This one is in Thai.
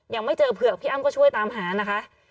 ยังไม่เจอเผือกพี่อ้ำก็ช่วยตามหานะคะ